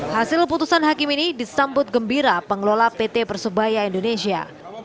hasil putusan hakim ini disambut gembira pengelola pt persebaya indonesia